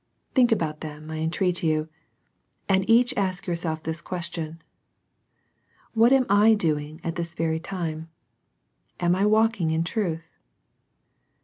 Think about them, I entreat you, and each ask yourself this question, —" What am I doing at this very time: am I walking in truth?"